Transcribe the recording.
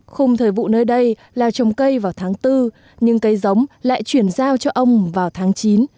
khung thời vụ nơi đây là trồng cây vào tháng bốn nhưng cây giống lại chuyển giao cho ông vào tháng chín